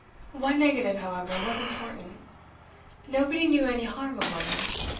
One negative, however, was important nobody knew any harm of Lovel.